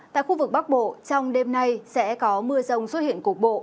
tại khu vực bắc bộ trong đêm nay sẽ có mưa rông xuất hiện cục bộ